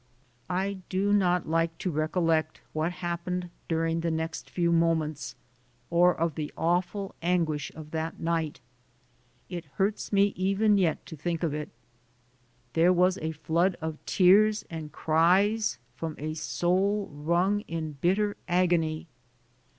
I do not like to recollect what happened during the next few moments, or of the awful anguish of that night. It hurts me even yet to think of it. There was a flood of tears and cries from a soul wrung in bitter agony.